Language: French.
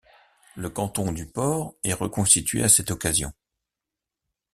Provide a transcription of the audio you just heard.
Le canton du Port est reconstitué à cette occasion.